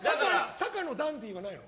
坂野ダンディはないの？